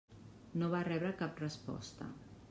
No va rebre cap resposta.